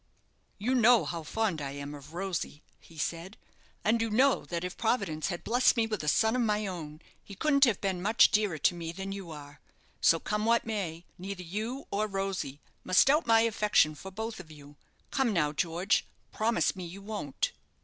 "You know how fond I am of Rosy," he said, "and you know that if Providence had blessed me with a son of my own, he couldn't have been much dearer to me than you are; so come what may, neither you or Rosy must doubt my affection for both of you. Come now, George, promise me you won't."